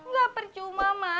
gak percuma ma